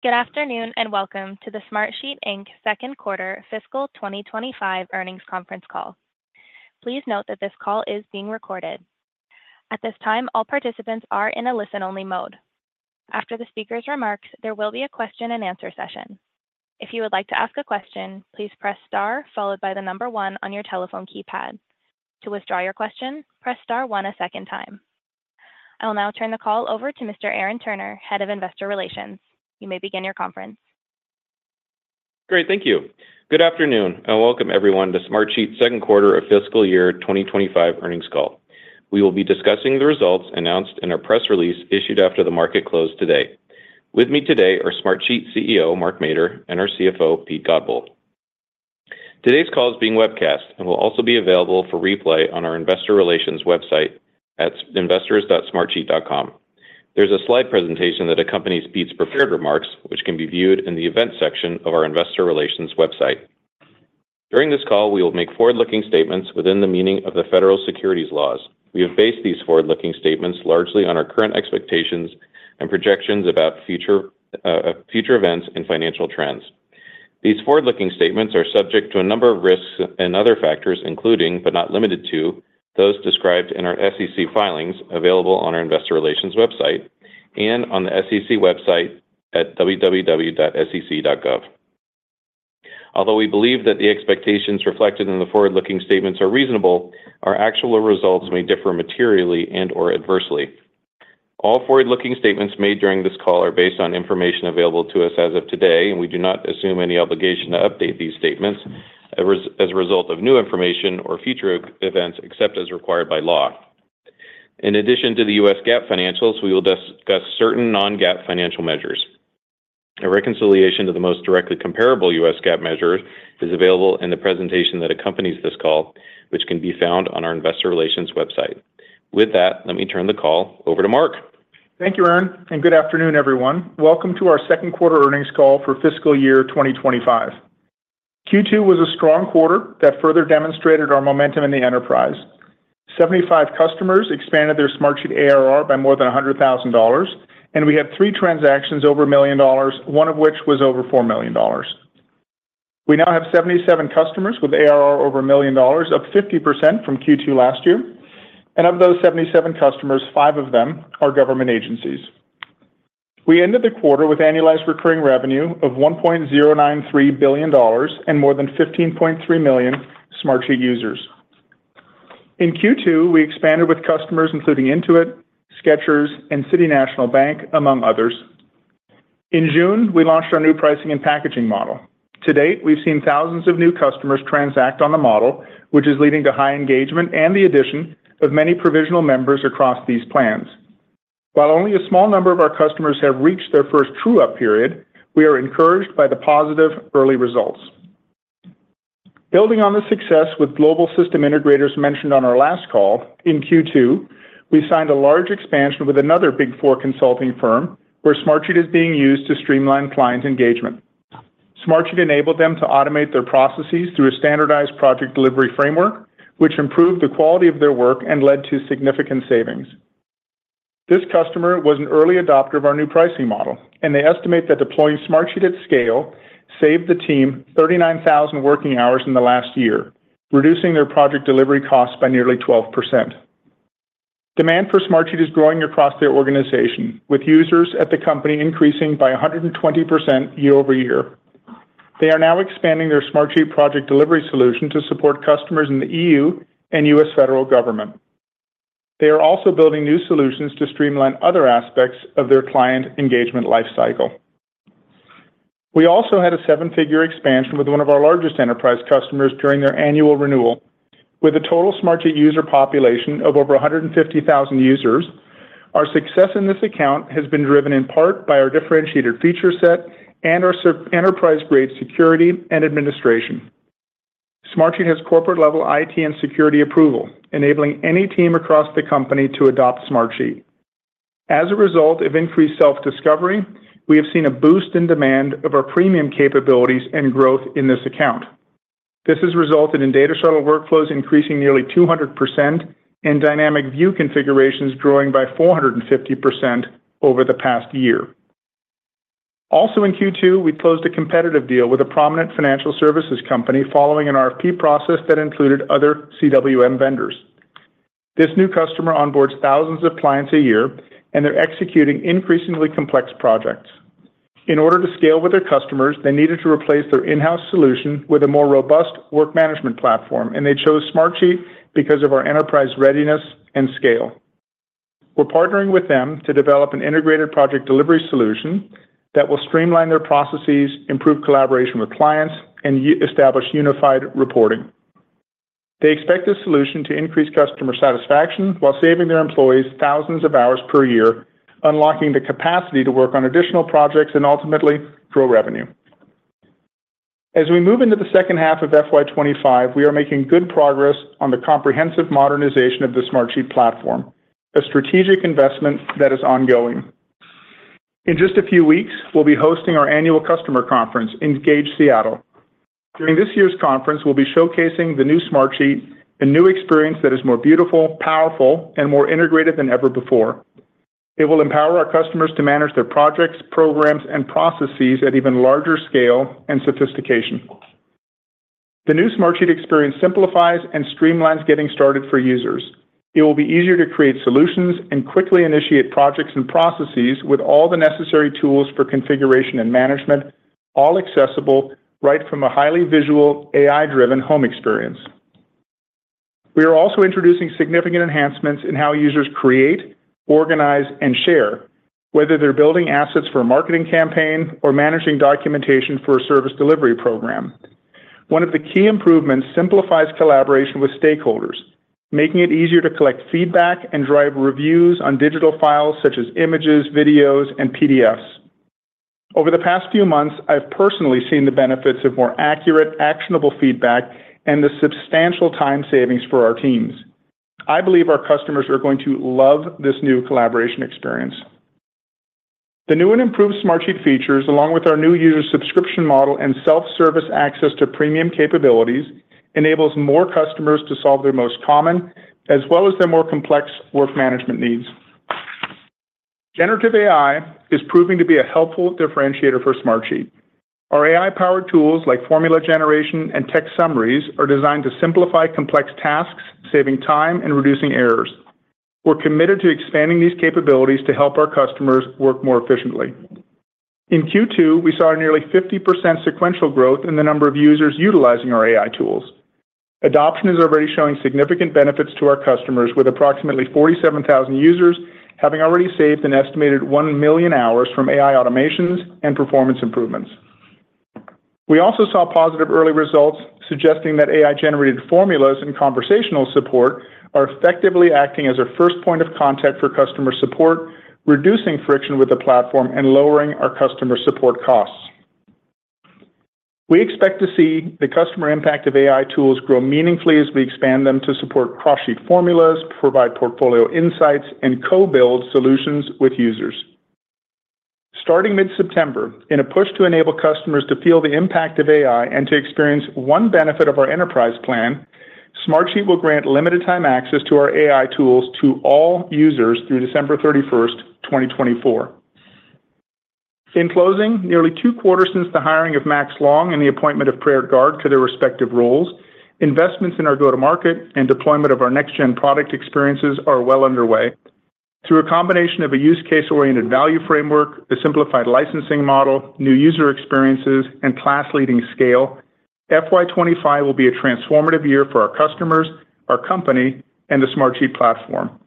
Good afternoon, and welcome to the Smartsheet Inc. Q2 Fiscal 2025 earnings conference call. Please note that this call is being recorded. At this time, all participants are in a listen-only mode. After the speaker's remarks, there will be a question-and-answer session. If you would like to ask a question, please press star followed by the number one on your telephone keypad. To withdraw your question, press star one a second time. I will now turn the call over to Mr. Aaron Turner, Head of Investor Relations. You may begin your conference. Great, thank you. Good afternoon, and welcome everyone to Smartsheet's Q2 of FY 2025 earnings call. We will be discussing the results announced in our press release issued after the market closed today. With me today are Smartsheet CEO, Mark Mader, and our CFO, Pete Godbole. Today's call is being webcast and will also be available for replay on our investor relations website at investors.smartsheet.com. There's a slide presentation that accompanies Pete's prepared remarks, which can be viewed in the event section of our investor relations website. During this call, we will make forward-looking statements within the meaning of the federal securities laws. We have based these forward-looking statements largely on our current expectations and projections about future events and financial trends. These forward-looking statements are subject to a number of risks and other factors, including, but not limited to, those described in our SEC filings, available on our investor relations website and on the SEC website at www.sec.gov. Although we believe that the expectations reflected in the forward-looking statements are reasonable, our actual results may differ materially and/or adversely. All forward-looking statements made during this call are based on information available to us as of today, and we do not assume any obligation to update these statements as a result of new information or future events, except as required by law. In addition to the U.S. GAAP financials, we will discuss certain non-GAAP financial measures. A reconciliation to the most directly comparable U.S. GAAP measures is available in the presentation that accompanies this call, which can be found on our investor relations website. With that, let me turn the call over to Mark. Thank you, Aaron, and good afternoon, everyone. Welcome to our Q2 earnings call for FY 2025. Q2 was a strong quarter that further demonstrated our momentum in the enterprise. 75 customers expanded their Smartsheet ARR by more than $100,000, and we had 3 transactions over $1 million, one of which was over $4 million. We now have 77 customers with ARR over $1 million, up 50% from Q2 last year, and of those 77 customers, 5 of them are government agencies. We ended the quarter with Annualized Recurring Revenue of $1.093 billion and more than 15.3 million Smartsheet users. In Q2, we expanded with customers, including Intuit, Skechers, and City National Bank, among others. In June, we launched our new pricing and packaging model. To date, we've seen thousands of new customers transact on the model, which is leading to high engagement and the addition of many provisional members across these plans. While only a small number of our customers have reached their first true-up period, we are encouraged by the positive early results. Building on the success with global system integrators mentioned on our last call, in Q2, we signed a large expansion with Big Four consulting firm, where Smartsheet is being used to streamline clients' engagement. Smartsheet enabled them to automate their processes through a standardized project delivery framework, which improved the quality of their work and led to significant savings. This customer was an early adopter of our new pricing model, and they estimate that deploying Smartsheet at scale saved the team thirty-nine thousand working hours in the last year, reducing their project delivery costs by nearly 12%. Demand for Smartsheet is growing across their organization, with users at the company increasing by 120% year over year. They are now expanding their Smartsheet project delivery solution to support customers in the EU and US federal government. They are also building new solutions to streamline other aspects of their client engagement lifecycle. We also had a seven-figure expansion with one of our largest enterprise customers during their annual renewal. With a total Smartsheet user population of over 150,000 users, our success in this account has been driven in part by our differentiated feature set and our enterprise-grade security and administration. Smartsheet has corporate-level IT and security approval, enabling any team across the company to adopt Smartsheet. As a result of increased self-discovery, we have seen a boost in demand of our premium capabilities and growth in this account. This has resulted in Data Shuttle workflows increasing nearly 200% and Dynamic View configurations growing by 450% over the past year. Also in Q2, we closed a competitive deal with a prominent financial services company following an RFP process that included other CWM vendors. This new customer onboards thousands of clients a year, and they're executing increasingly complex projects. In order to scale with their customers, they needed to replace their in-house solution with a more robust work management platform, and they chose Smartsheet because of our enterprise readiness and scale. We're partnering with them to develop an integrated project delivery solution that will streamline their processes, improve collaboration with clients, and establish unified reporting. They expect this solution to increase customer satisfaction while saving their employees thousands of hours per year, unlocking the capacity to work on additional projects and ultimately grow revenue. As we move into the second half of FY 2025, we are making good progress on the comprehensive modernization of the Smartsheet platform, a strategic investment that is ongoing. In just a few weeks, we'll be hosting our annual customer conference, ENGAGE Seattle. During this year's conference, we'll be showcasing the new Smartsheet, a new experience that is more beautiful, powerful, and more integrated than ever before. It will empower our customers to manage their projects, programs, and processes at even larger scale and sophistication. The new Smartsheet experience simplifies and streamlines getting started for users. It will be easier to create solutions and quickly initiate projects and processes with all the necessary tools for configuration and management, all accessible right from a highly visual, AI-driven home experience. We are also introducing significant enhancements in how users create, organize, and share, whether they're building assets for a marketing campaign or managing documentation for a service delivery program. One of the key improvements simplifies collaboration with stakeholders, making it easier to collect feedback and drive reviews on digital files such as images, videos, and PDFs. Over the past few months, I've personally seen the benefits of more accurate, actionable feedback and the substantial time savings for our teams. I believe our customers are going to love this new collaboration experience. The new and improved Smartsheet features, along with our new user subscription model and self-service access to premium capabilities, enables more customers to solve their most common, as well as their more complex work management needs. Generative AI is proving to be a helpful differentiator for Smartsheet. Our AI-powered tools, like formula generation and text summaries, are designed to simplify complex tasks, saving time and reducing errors. We're committed to expanding these capabilities to help our customers work more efficiently. In Q2, we saw a nearly 50% sequential growth in the number of users utilizing our AI tools. Adoption is already showing significant benefits to our customers, with approximately 47,000 users having already saved an estimated 1 million hours from AI automations and performance improvements. We also saw positive early results, suggesting that AI-generated formulas and conversational support are effectively acting as a first point of contact for customer support, reducing friction with the platform and lowering our customer support costs. We expect to see the customer impact of AI tools grow meaningfully as we expand them to support cross-sheet formulas, provide portfolio insights, and co-build solutions with users. Starting mid-September, in a push to enable customers to feel the impact of AI and to experience one benefit of our enterprise plan, Smartsheet will grant limited time access to our AI tools to all users through December 31, 2024. In closing, nearly two quarters since the hiring of Max Long and the appointment of Praerit Garg to their respective roles, investments in our go-to-market and deployment of our next-gen product experiences are well underway. Through a combination of a use-case-oriented value framework, a simplified licensing model, new user experiences, and class-leading scale, FY 2025 will be a transformative year for our customers, our company, and the Smartsheet platform.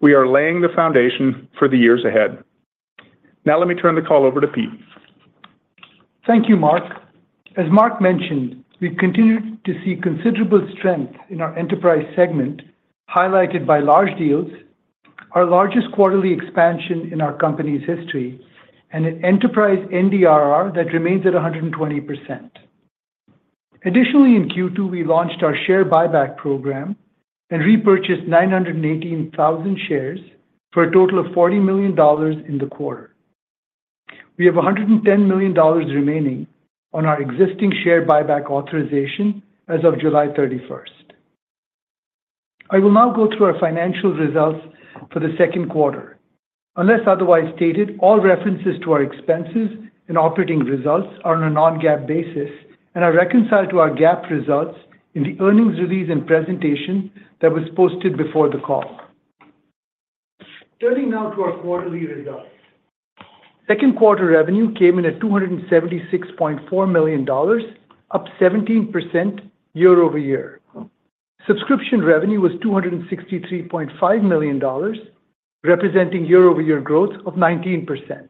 We are laying the foundation for the years ahead. Now, let me turn the call over to Pete. Thank you, Mark. As Mark mentioned, we've continued to see considerable strength in our enterprise segment, highlighted by large deals, our largest quarterly expansion in our company's history, and an enterprise NDRR that remains at 120%. Additionally, in Q2, we launched our share buyback program and repurchased 918,000 shares for a total of $40 million in the quarter. We have $110 million remaining on our existing share buyback authorization as of July 31. I will now go through our financial results for the Q2. Unless otherwise stated, all references to our expenses and operating results are on a non-GAAP basis and are reconciled to our GAAP results in the earnings release and presentation that was posted before the call. Turning now to our quarterly results. Q2 revenue came in at $276.4 million, up 17% year-over-year. Subscription revenue was $263.5 million, representing year-over-year growth of 19%.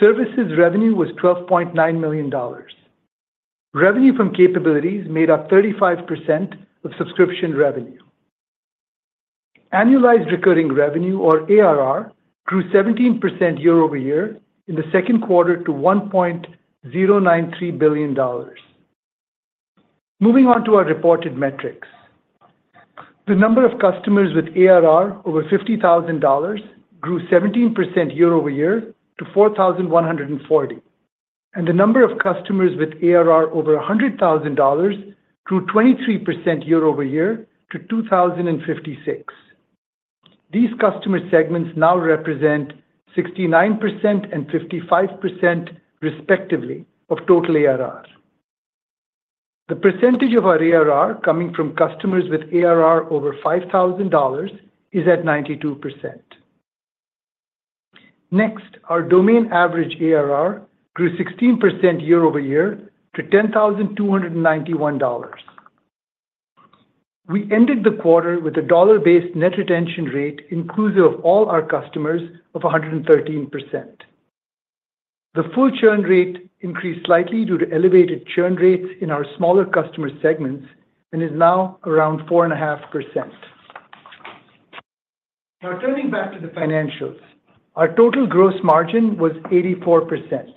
Services revenue was $12.9 million. Revenue from capabilities made up 35% of subscription revenue. Annualized recurring revenue, or ARR, grew 17% year-over-year in the Q2 to $1.093 billion. Moving on to our reported metrics. The number of customers with ARR over $50,000 grew 17% year-over-year to 4,140, and the number of customers with ARR over $100,000 grew 23% year-over-year to 2,056. These customer segments now represent 69% and 55%, respectively, of total ARR. The percentage of our ARR coming from customers with ARR over $5,000 is at 92%. Next, our domain average ARR grew 16% year-over-year to $10,291. We ended the quarter with a dollar-based net retention rate inclusive of all our customers of 113%. The full churn rate increased slightly due to elevated churn rates in our smaller customer segments and is now around 4.5%. Now, turning back to the financials, our total gross margin was 84%.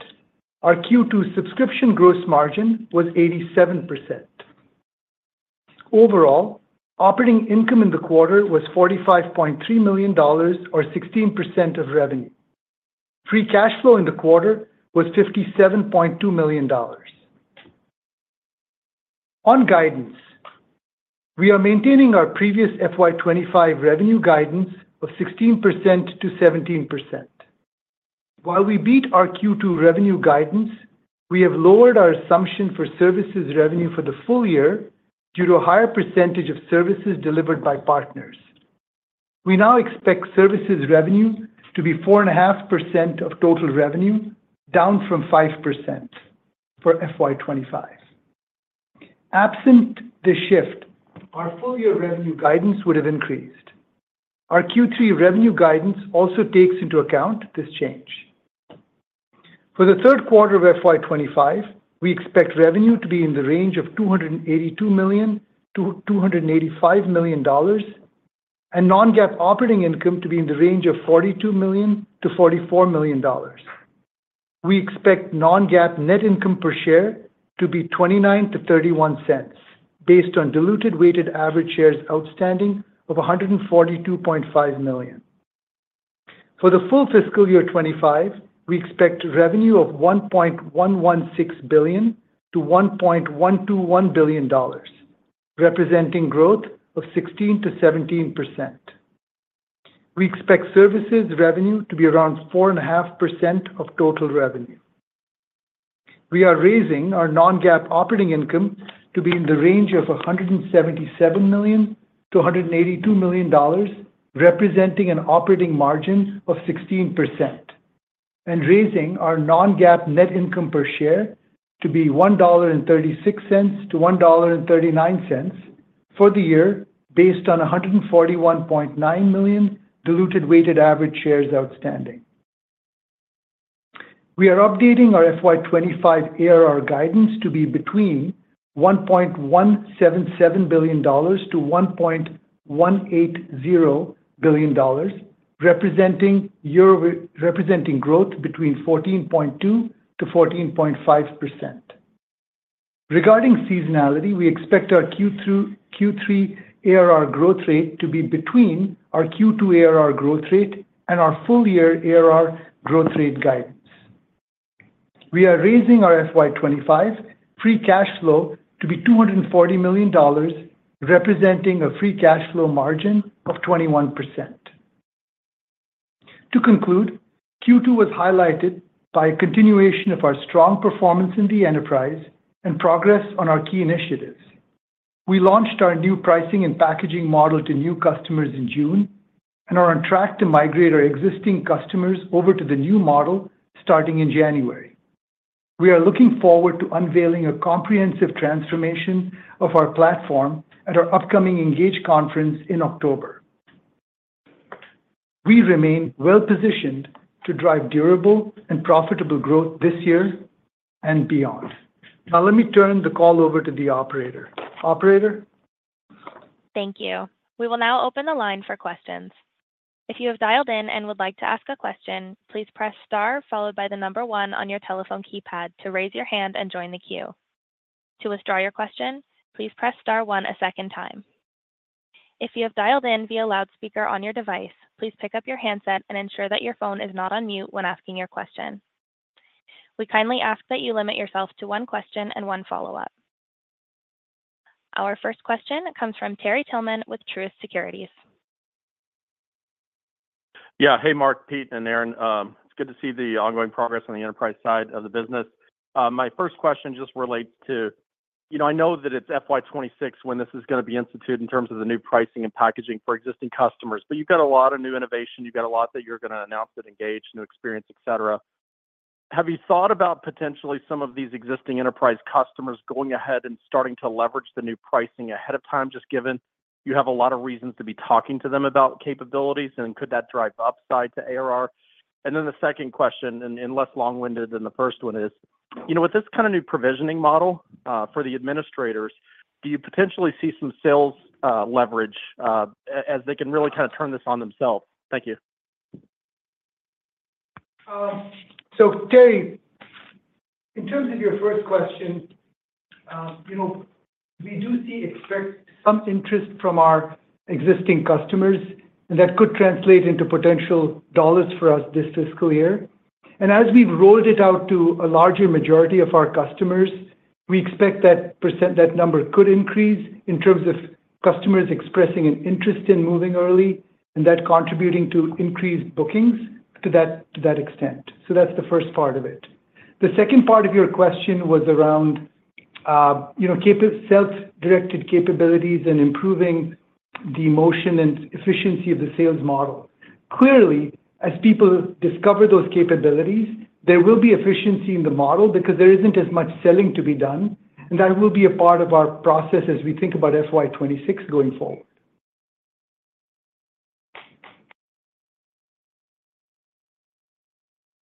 Our Q2 subscription gross margin was 87%. Overall, operating income in the quarter was $45.3 million or 16% of revenue. Free cash flow in the quarter was $57.2 million. On guidance, we are maintaining our previous FY 2025 revenue guidance of 16% to 17%. While we beat our Q2 revenue guidance, we have lowered our assumption for services revenue for the full year due to a higher percentage of services delivered by partners. We now expect services revenue to be 4.5% of total revenue, down from 5% for FY 2025. Absent the shift, our full-year revenue guidance would have increased. Our Q3 revenue guidance also takes into account this change. For the third quarter of FY 2025, we expect revenue to be in the range of $282 million-$285 million, and non-GAAP operating income to be in the range of $42 million-$44 million. We expect non-GAAP net income per share to be $0.29-$0.31, based on diluted weighted average shares outstanding of 142.5 million. For the full FY 2025, we expect revenue of $1.116 billion-$1.121 billion, representing growth of 16%-17%. We expect services revenue to be around 4.5% of total revenue. We are raising our non-GAAP operating income to be in the range of $177 million-$182 million, representing an operating margin of 16%, and raising our non-GAAP net income per share to be $1.36-$1.39 for the year, based on 141.9 million diluted weighted average shares outstanding. We are updating our FY 2025 ARR guidance to be between $1.177 billion-$1.180 billion, representing growth between 14.2%-14.5%. Regarding seasonality, we expect our Q2-Q3 ARR growth rate to be between our Q2 ARR growth rate and our full year ARR growth rate guidance. We are raising our FY 2025 free cash flow to be $240 million, representing a free cash flow margin of 21%. To conclude, Q2 was highlighted by a continuation of our strong performance in the enterprise and progress on our key initiatives. We launched our new pricing and packaging model to new customers in June and are on track to migrate our existing customers over to the new model starting in January. We are looking forward to unveiling a comprehensive transformation of our platform at our upcoming ENGAGE conference in October. We remain well-positioned to drive durable and profitable growth this year and beyond. Now, let me turn the call over to the operator. Operator? Thank you. We will now open the line for questions. If you have dialed in and would like to ask a question, please press star followed by the number one on your telephone keypad to raise your hand and join the queue. To withdraw your question, please press star one a second time. If you have dialed in via loudspeaker on your device, please pick up your handset and ensure that your phone is not on mute when asking your question. We kindly ask that you limit yourself to one question and one follow-up. Our first question comes from Terry Tillman with Truist Securities. Yeah. Hey, Mark, Pete, and Aaron. It's good to see the ongoing progress on the enterprise side of the business. My first question just relates to, you know, I know that it's FY26 when this is gonna be instituted in terms of the new pricing and packaging for existing customers, but you've got a lot of new innovation. You've got a lot that you're gonna announce at Engage, new experience, et cetera. Have you thought about potentially some of these existing enterprise customers going ahead and starting to leverage the new pricing ahead of time, just given you have a lot of reasons to be talking to them about capabilities, and could that drive upside to ARR? And then the second question, less long-winded than the first one, is: You know, with this kind of new provisioning model, for the administrators, do you potentially see some sales leverage, as they can really kind of turn this on themselves? Thank you. So, Terry, in terms of your first question, you know, we do expect some interest from our existing customers that could translate into potential dollars for us this FY. And as we've rolled it out to a larger majority of our customers, we expect that number could increase in terms of customers expressing an interest in moving early and that contributing to increased bookings to that extent. So that's the first part of it. The second part of your question was around, you know, self-directed capabilities and improving the motion and efficiency of the sales model. Clearly, as people discover those capabilities, there will be efficiency in the model because there isn't as much selling to be done, and that will be a part of our process as we think about FY26 going forward.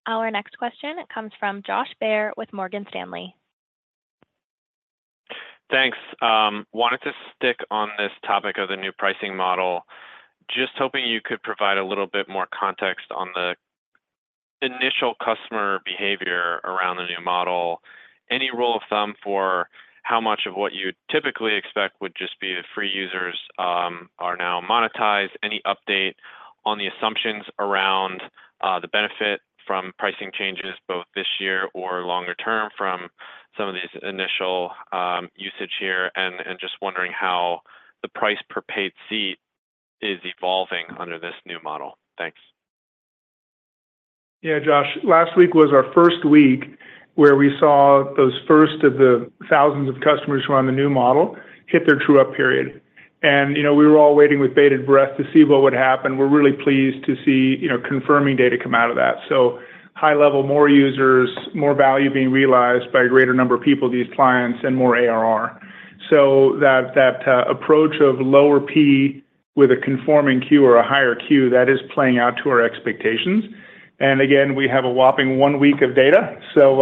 Our next question comes from Josh Baer with Morgan Stanley. Thanks. Wanted to stick on this topic of the new pricing model. Just hoping you could provide a little bit more context on the initial customer behavior around the new model, any rule of thumb for how much of what you'd typically expect would just be the free users are now monetized? Any update on the assumptions around the benefit from pricing changes, both this year or longer term, from some of these initial usage here? And just wondering how the price per paid seat is evolving under this new model. Thanks. Yeah, Josh, last week was our first week where we saw those first of the thousands of customers who are on the new model hit their true up period. And, you know, we were all waiting with bated breath to see what would happen. We're really pleased to see, you know, confirming data come out of that. So high level, more users, more value being realized by a greater number of people, these clients, and more ARR. So that approach of lower P with a conforming Q or a higher Q, that is playing out to our expectations. And again, we have a whopping one week of data. So,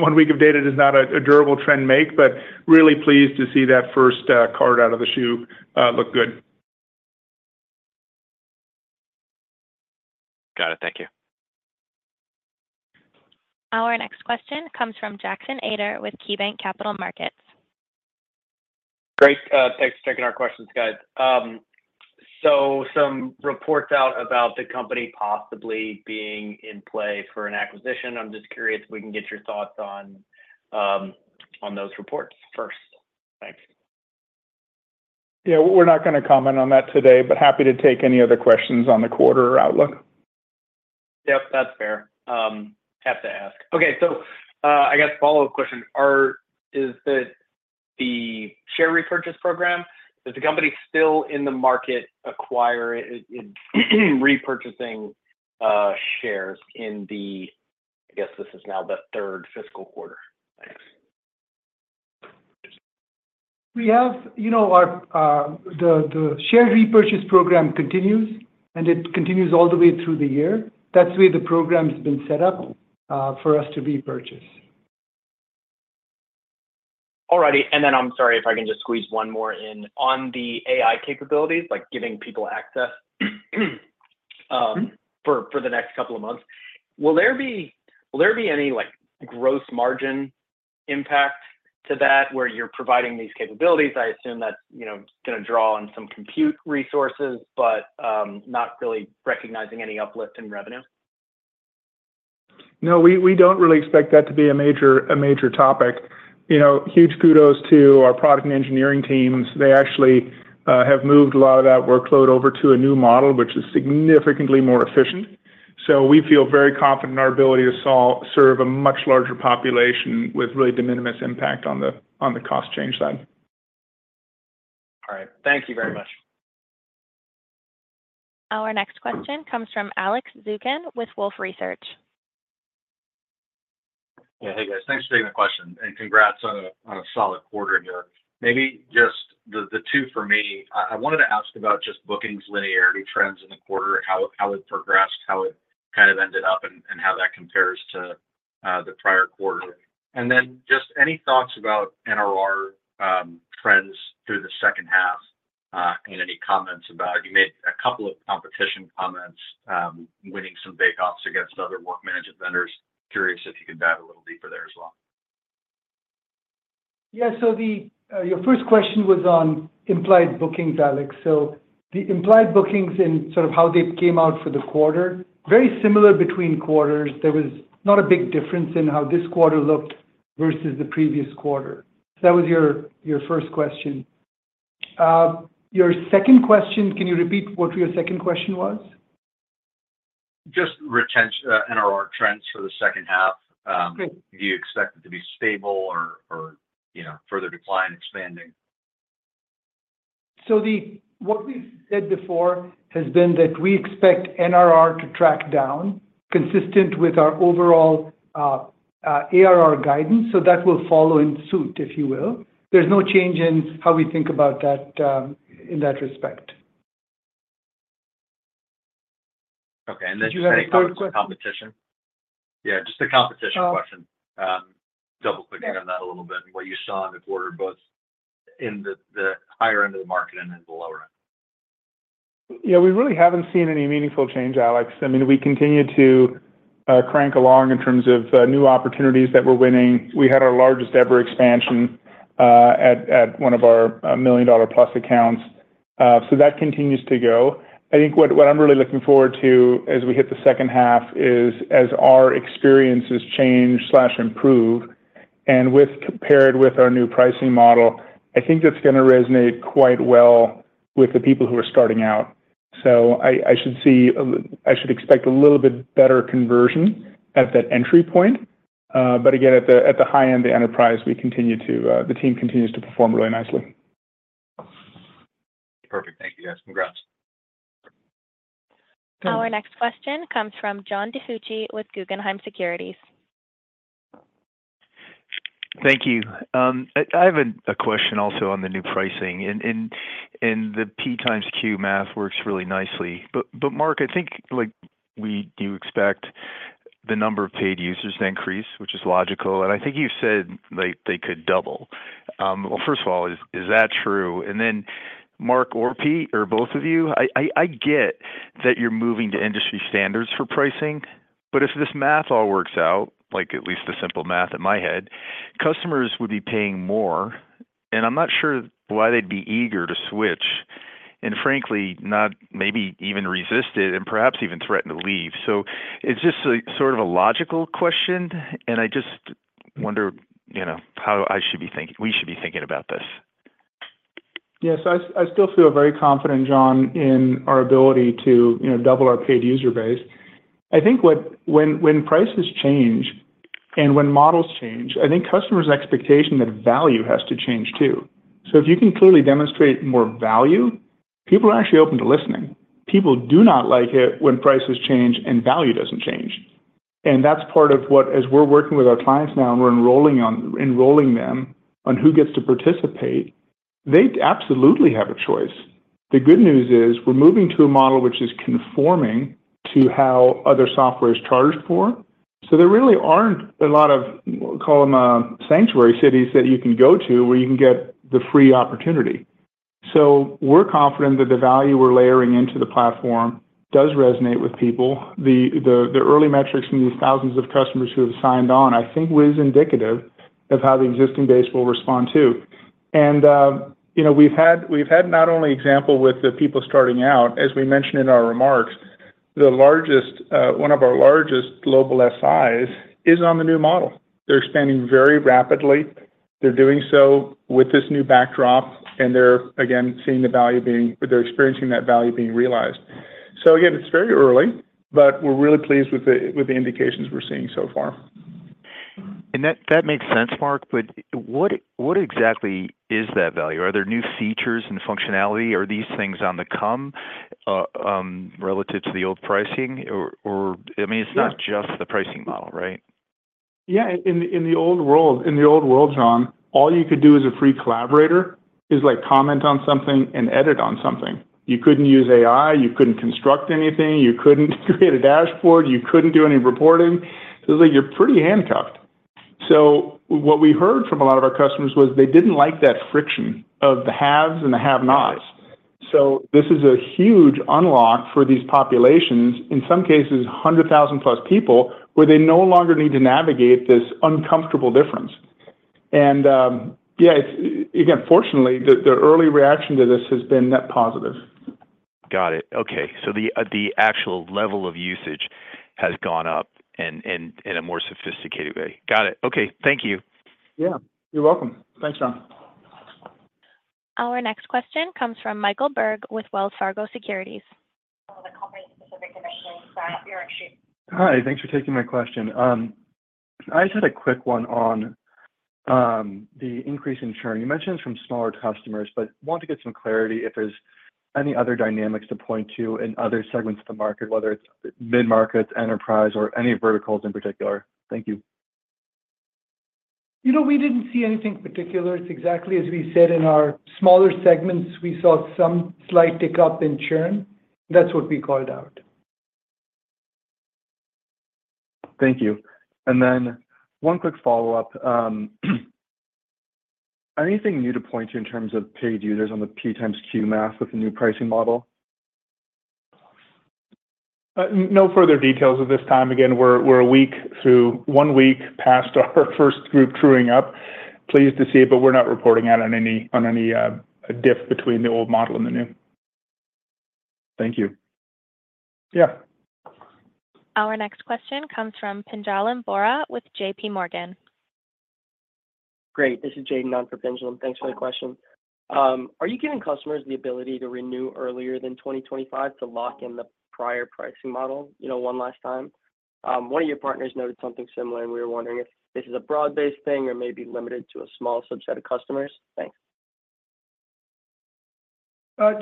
one week of data does not a durable trend make, but really pleased to see that first card out of the shoe look good. Got it. Thank you. Our next question comes from Jackson Ader with KeyBanc Capital Markets. Great. Thanks for taking our questions, guys. So some reports out about the company possibly being in play for an acquisition. I'm just curious if we can get your thoughts on those reports first. Thanks. Yeah. We're not gonna comment on that today, but happy to take any other questions on the quarter or outlook. Yep, that's fair. Have to ask. Okay, so, I guess follow-up question. Is the share repurchase program, is the company still in the market repurchasing shares in the, I guess, this is now the third fiscal quarter? Thanks. We have, you know, our share repurchase program continues, and it continues all the way through the year. That's the way the program has been set up for us to repurchase. All righty. And then, I'm sorry, if I can just squeeze one more in. On the AI capabilities, like giving people access, for the next couple of months, will there be any, like, gross margin impact to that, where you're providing these capabilities? I assume that's, you know, gonna draw on some compute resources, but, not really recognizing any uplift in revenue. No, we don't really expect that to be a major topic. You know, huge kudos to our product and engineering teams. They actually have moved a lot of that workload over to a new model, which is significantly more efficient. So we feel very confident in our ability to serve a much larger population with really de minimis impact on the cost change side. All right. Thank you very much. Our next question comes from Alex Zukin with Wolfe Research. Yeah. Hey, guys. Thanks for taking the question, and congrats on a solid quarter here. Maybe just the two for me. I wanted to ask about just bookings, linearity, trends in the quarter, how it progressed, how it kind of ended up, and how that compares to the prior quarter. And then, just any thoughts about NRR trends through the second half, and any comments about... You made a couple of competition comments, winning some bake-offs against other work management vendors. Curious if you could dive a little deeper there as well. Yeah. So, your first question was on implied bookings, Alex. So the implied bookings and sort of how they came out for the quarter, very similar between quarters. There was not a big difference in how this quarter looked versus the previous quarter. That was your first question. Your second question, can you repeat what your second question was? Just retention, NRR trends for the second half. Sure. Do you expect it to be stable or, you know, further decline, expanding? So what we've said before has been that we expect NRR to track down, consistent with our overall ARR guidance. So that will follow suit, if you will. There's no change in how we think about that in that respect. Okay, and then- Did you have a third question? Any competition? Yeah, just the competition question. Uh. Double clicking on that a little bit, and what you saw in the quarter, both in the higher end of the market and in the lower end. Yeah, we really haven't seen any meaningful change, Alex. I mean, we continue to crank along in terms of new opportunities that we're winning. We had our largest ever expansion at one of our million-dollar plus accounts. So that continues to go. I think what I'm really looking forward to, as we hit the second half, is as our experiences change and improve, and compared with our new pricing model, I think that's gonna resonate quite well with the people who are starting out. So I should see, I should expect a little bit better conversion at that entry point. But again, at the high end, the enterprise, we continue to. The team continues to perform really nicely. Perfect. Thank you, guys. Congrats. Our next question comes from John DiFucci with Guggenheim Securities. Thank you. I have a question also on the new pricing, and the P x Q math works really nicely. But Mark, I think, like, we do expect the number of paid users to increase, which is logical, and I think you said they could double.... Well, first of all, is that true? And then Mark or Pete or both of you, I get that you're moving to industry standards for pricing, but if this math all works out, like at least the simple math in my head, customers would be paying more, and I'm not sure why they'd be eager to switch, and frankly, not maybe even resist it and perhaps even threaten to leave. So it's just a sort of a logical question, and I just wonder, you know, how I should be thinking, we should be thinking about this. Yes, I still feel very confident, John, in our ability to, you know, double our paid user base. I think when, when prices change and when models change, I think customers' expectation that value has to change, too. So if you can clearly demonstrate more value, people are actually open to listening. People do not like it when prices change and value doesn't change. And that's part of what, as we're working with our clients now, and we're enrolling them on who gets to participate, they absolutely have a choice. The good news is, we're moving to a model which is conforming to how other software is charged for. So there really aren't a lot of, call them, sanctuary cities that you can go to, where you can get the free opportunity. So we're confident that the value we're layering into the platform does resonate with people. The early metrics from these thousands of customers who have signed on, I think, is indicative of how the existing base will respond, too. And you know, we've had not only example with the people starting out, as we mentioned in our remarks, the largest one of our largest global SIs is on the new model. They're expanding very rapidly. They're doing so with this new backdrop, and they're again, seeing the value being, they're experiencing that value being realized. So again, it's very early, but we're really pleased with the indications we're seeing so far. That makes sense, Mark, but what exactly is that value? Are there new features and functionality? Are these things on the come relative to the old pricing? Or, I mean, it's not just the pricing model, right? Yeah. In the old world, John, all you could do as a free collaborator is, like, comment on something and edit on something. You couldn't use AI, you couldn't construct anything, you couldn't create a dashboard, you couldn't do any reporting. So you're pretty handcuffed. So what we heard from a lot of our customers was they didn't like that friction of the haves and the have-nots. So this is a huge unlock for these populations, in some cases, hundred thousand plus people, where they no longer need to navigate this uncomfortable difference. And, yeah, it's, again, fortunately, the early reaction to this has been net positive. Got it. Okay. So the actual level of usage has gone up in a more sophisticated way. Got it. Okay. Thank you. Yeah, you're welcome. Thanks, John. Our next question comes from Michael Berg with Wells Fargo Securities. Hi, thanks for taking my question. I just had a quick one on the increase in churn. You mentioned it's from smaller customers, but want to get some clarity if there's any other dynamics to point to in other segments of the market, whether it's mid-market, enterprise, or any verticals in particular. Thank you. You know, we didn't see anything particular. It's exactly as we said in our smaller segments, we saw some slight tick up in churn. That's what we called out. Thank you. And then one quick follow-up. Anything new to point to in terms of paid users on the P times Q math with the new pricing model? No further details at this time. Again, we're a week through, one week past our first group truing up. Pleased to see it, but we're not reporting out on any diff between the old model and the new. Thank you. Yeah. Our next question comes from Pinjalim Bora with J.P. Morgan. Great. This is Jaden on for Pinjalim. Thanks for the question. Are you giving customers the ability to renew earlier than 2025 to lock in the prior pricing model, you know, one last time? One of your partners noted something similar, and we were wondering if this is a broad-based thing or maybe limited to a small subset of customers. Thanks.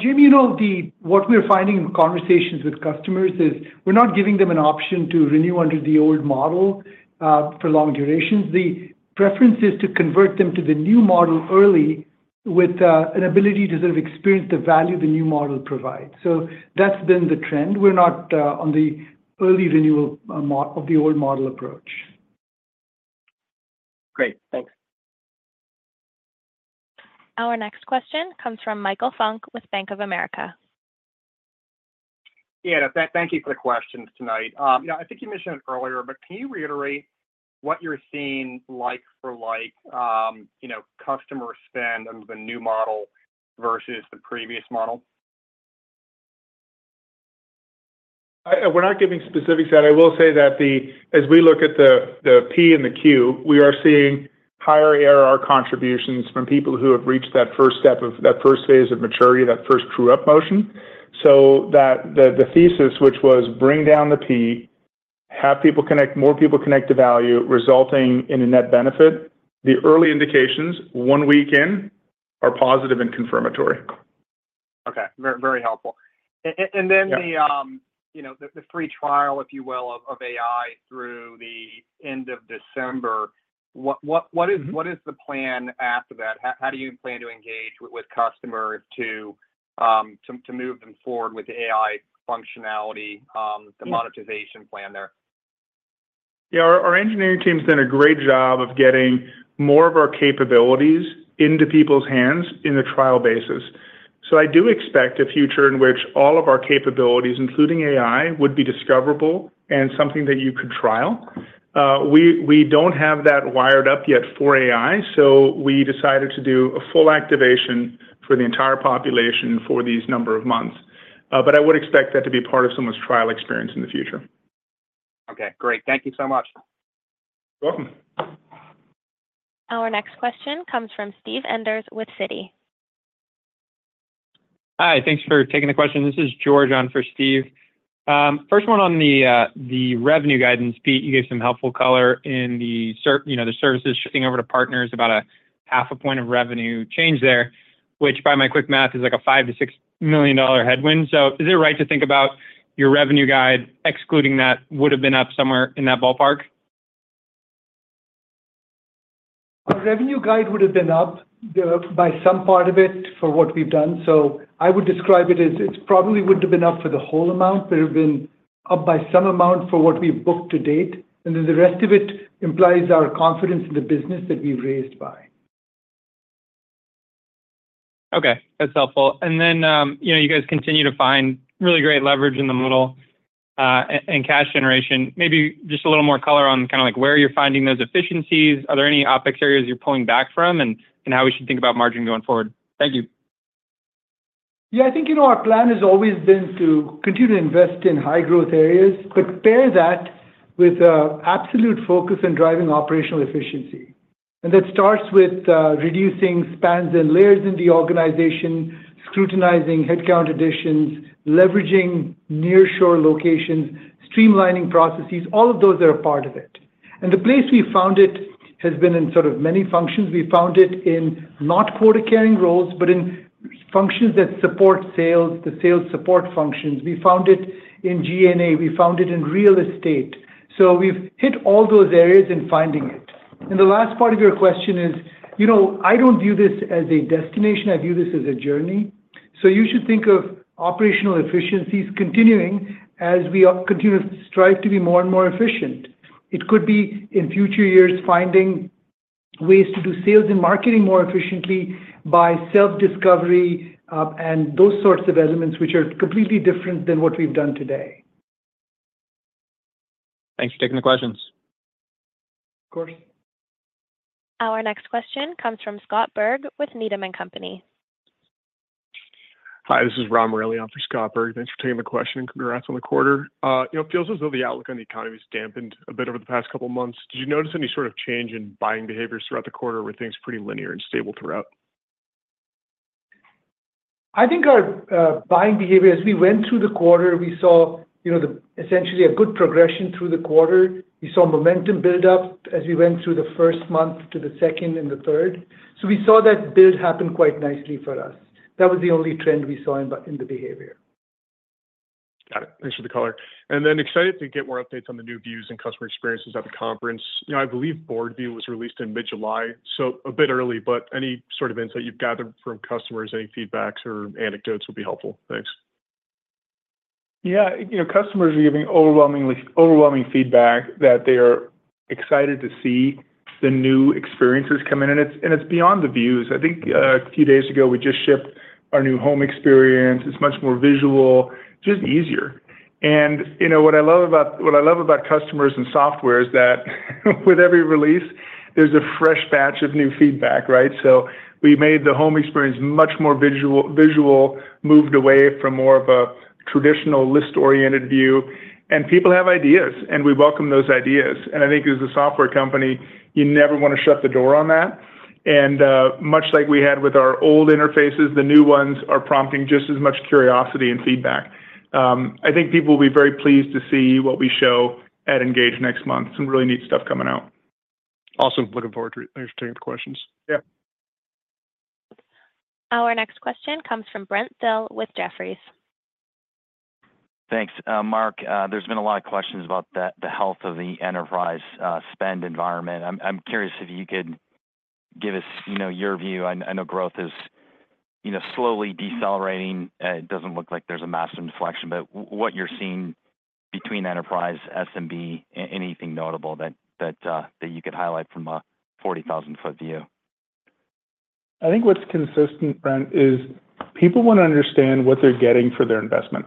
Jim, you know, what we're finding in conversations with customers is we're not giving them an option to renew under the old model for long durations. The preference is to convert them to the new model early with an ability to sort of experience the value the new model provides. So that's been the trend. We're not on the early renewal mode of the old model approach. Great. Thanks. Our next question comes from Michael Funk with Bank of America. Yeah, thank you for the questions tonight. Yeah, I think you mentioned it earlier, but can you reiterate what you're seeing like for like, you know, customer spend on the new model versus the previous model? We're not giving specifics, but I will say that the, as we look at the P and the Q, we are seeing higher ERR contributions from people who have reached that first step of, that first phase of maturity, that first true-up motion. So that the thesis, which was bring down the P, have people connect, more people connect the value, resulting in a net benefit, the early indications, one week in, are positive and confirmatory. Okay. Very, very helpful. And then the, you know, the free trial, if you will, of AI through the end of December, what is the plan after that? How do you plan to engage with customers to move them forward with the AI functionality, the monetization plan there? Yeah, our engineering team has done a great job of getting more of our capabilities into people's hands in a trial basis. So I do expect a future in which all of our capabilities, including AI, would be discoverable and something that you could trial. We don't have that wired up yet for AI, so we decided to do a full activation for the entire population for these number of months. But I would expect that to be part of someone's trial experience in the future. Okay, great. Thank you so much. Welcome. Our next question comes from Steve Enders with Citi. Hi, thanks for taking the question. This is George on for Steve. First one on the revenue guidance. Pete, you gave some helpful color in the services, you know, the services shifting over to partners about a half a point of revenue change there, which by my quick math is like a $5 million-$6 million headwind. So is it right to think about your revenue guide, excluding that, would have been up somewhere in that ballpark? Our revenue guide would have been up by some part of it for what we've done. So I would describe it as it's probably wouldn't have been up for the whole amount, but it would have been up by some amount for what we've booked to date, and then the rest of it implies our confidence in the business that we've raised by. Okay, that's helpful, and then you know, you guys continue to find really great leverage in the model, and cash generation. Maybe just a little more color on kinda like where you're finding those efficiencies. Are there any OpEx areas you're pulling back from, and how we should think about margin going forward? Thank you. Yeah, I think, you know, our plan has always been to continue to invest in high growth areas, but pair that with absolute focus on driving operational efficiency. And that starts with reducing spans and layers in the organization, scrutinizing headcount additions, leveraging nearshore locations, streamlining processes. All of those are a part of it. And the place we found it has been in sort of many functions. We found it in not quota carrying roles, but in functions that support sales, the sales support functions. We found it in G&A, we found it in real estate. So we've hit all those areas in finding it. And the last part of your question is, you know, I don't view this as a destination, I view this as a journey. So you should think of operational efficiencies continuing as we continue to strive to be more and more efficient. It could be, in future years, finding ways to do sales and marketing more efficiently by self-discovery and those sorts of elements which are completely different than what we've done today. Thanks for taking the questions. Of course. Our next question comes from Scott Berg with Needham & Company. Hi, this is Rob Morelli on for Scott Berg. Thanks for taking the question, and congrats on the quarter. You know, it feels as though the outlook on the economy has dampened a bit over the past couple of months. Did you notice any sort of change in buying behaviors throughout the quarter, or were things pretty linear and stable throughout? I think our buying behavior, as we went through the quarter, we saw, you know, essentially a good progression through the quarter. We saw momentum build up as we went through the first month to the second and the third. So we saw that build happen quite nicely for us. That was the only trend we saw in the behavior. Got it. Thanks for the color. And then, excited to get more updates on the new views and customer experiences at the conference. You know, I believe Board View was released in mid-July, so a bit early, but any sort of insight you've gathered from customers, any feedbacks or anecdotes would be helpful. Thanks. Yeah, you know, customers are giving overwhelming feedback that they are excited to see the new experiences coming in. And it's, and it's beyond the views. I think a few days ago, we just shipped our new home experience. It's much more visual, just easier. And you know, what I love about customers and software is that with every release, there's a fresh batch of new feedback, right? So we made the home experience much more visual, moved away from more of a traditional list-oriented view, and people have ideas, and we welcome those ideas. And I think as a software company, you never wanna shut the door on that. And much like we had with our old interfaces, the new ones are prompting just as much curiosity and feedback. I think people will be very pleased to see what we show at ENGAGE next month. Some really neat stuff coming out. Awesome. Looking forward to it. Thanks for taking the questions. Yeah. Our next question comes from Brent Thill with Jefferies. Thanks. Mark, there's been a lot of questions about the health of the enterprise spend environment. I'm curious if you could give us, you know, your view. I know growth is, you know, slowly decelerating. It doesn't look like there's a massive inflection, but what you're seeing between enterprise SMB, anything notable that you could highlight from a 40,000-foot view? I think what's consistent, Brent, is people want to understand what they're getting for their investment.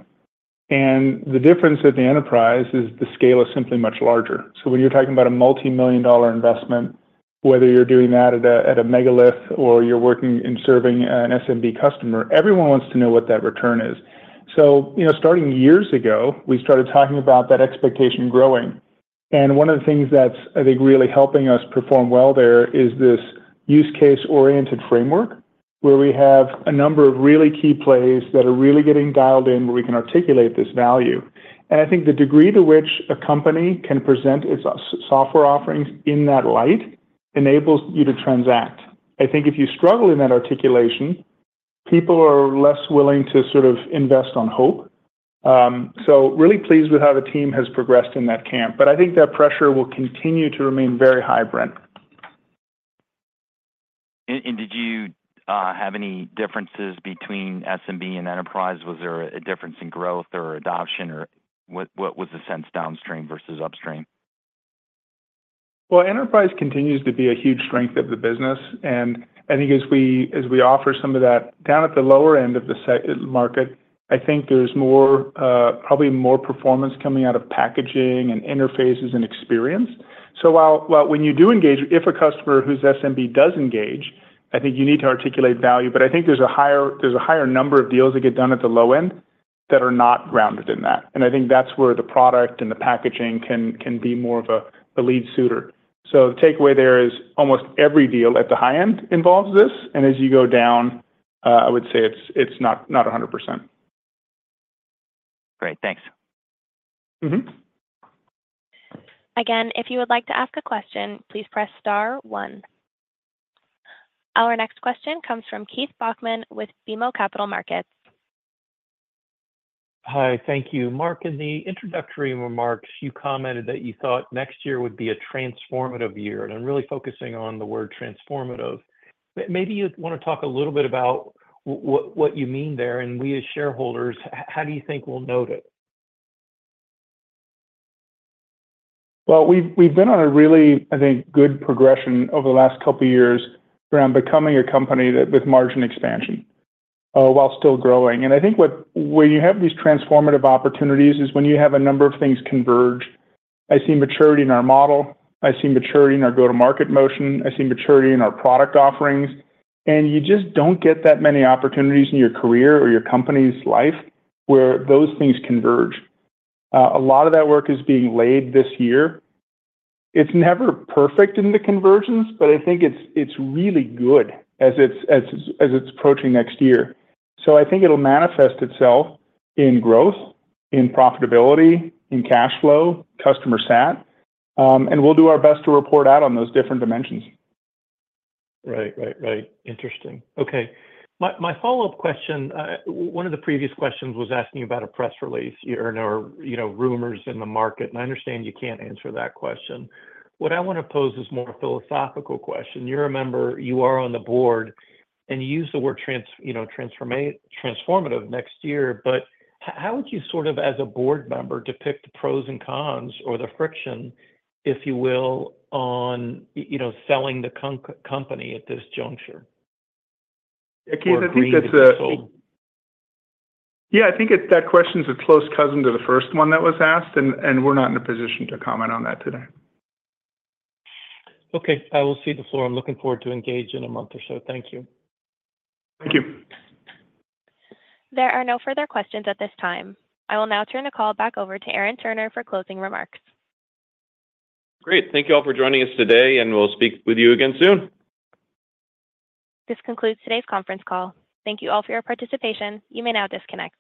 And the difference at the enterprise is the scale is simply much larger. So when you're talking about a multimillion-dollar investment, whether you're doing that at a megalith or you're working in serving an SMB customer, everyone wants to know what that return is. So, you know, starting years ago, we started talking about that expectation growing. And one of the things that's, I think, really helping us perform well there is this use case-oriented framework, where we have a number of really key plays that are really getting dialed in, where we can articulate this value. And I think the degree to which a company can present its software offerings in that light enables you to transact. I think if you struggle in that articulation, people are less willing to sort of invest on hope, so really pleased with how the team has progressed in that camp, but I think that pressure will continue to remain very high, Brent. And did you have any differences between SMB and enterprise? Was there a difference in growth or adoption, or what was the sense downstream versus upstream? Well, enterprise continues to be a huge strength of the business, and I think as we offer some of that down at the lower end of the SMB market, I think there's more probably more performance coming out of packaging and interfaces and experience. So while when you do engage, if a customer who's SMB does engage, I think you need to articulate value. But I think there's a higher number of deals that get done at the low end that are not grounded in that, and I think that's where the product and the packaging can be more of a lead generator. So the takeaway there is almost every deal at the high end involves this, and as you go down, I would say it's not 100%. Great. Thanks. Again, if you would like to ask a question, please press star one. Our next question comes from Keith Bachman with BMO Capital Markets. Hi. Thank you. Mark, in the introductory remarks, you commented that you thought next year would be a transformative year, and I'm really focusing on the word transformative. Maybe you'd want to talk a little bit about what you mean there, and we as shareholders, how do you think we'll note it? Well, we've been on a really, I think, good progression over the last couple of years around becoming a company that with margin expansion while still growing. And I think where you have these transformative opportunities is when you have a number of things converged. I see maturity in our model, I see maturity in our go-to-market motion, I see maturity in our product offerings, and you just don't get that many opportunities in your career or your company's life where those things converge. A lot of that work is being laid this year. It's never perfect in the convergence, but I think it's really good as it's approaching next year. So I think it'll manifest itself in growth, in profitability, in cash flow, customer sat, and we'll do our best to report out on those different dimensions. Right. Right. Right. Interesting. Okay. My, my follow-up question, one of the previous questions was asking about a press release or, you know, rumors in the market, and I understand you can't answer that question. What I want to pose is a more philosophical question. You're a member, you are on the board, and you use the word transformative next year, but how would you sort of, as a board member, depict the pros and cons or the friction, if you will, on, you know, selling the company at this juncture? Yeah, Keith, I think that's a- or agreeing to be sold. Yeah, I think that question is a close cousin to the first one that was asked, and we're not in a position to comment on that today. Okay, I will cede the floor. I'm looking forward to Engage in a month or so. Thank you. Thank you. There are no further questions at this time. I will now turn the call back over to Aaron Turner for closing remarks. Great. Thank you all for joining us today, and we'll speak with you again soon. This concludes today's conference call. Thank you all for your participation. You may now disconnect.